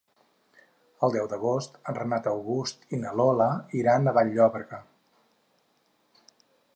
El deu d'agost en Renat August i na Lola iran a Vall-llobrega.